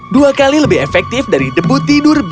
dua kali lebih efektif dari debu tidur yang dikuburkan